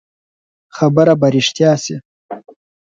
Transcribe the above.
خبره به رښتيا شي.